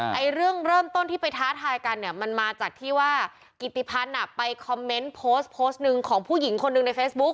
ไอ้เรื่องเริ่มต้นที่ไปท้าทายกันเนี่ยมันมาจากที่ว่ากิติพันธ์ไปคอมเมนต์โพสต์โพสต์หนึ่งของผู้หญิงคนหนึ่งในเฟซบุ๊ค